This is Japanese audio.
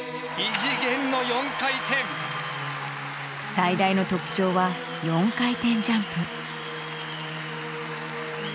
最大の特徴は４回転ジャンプ。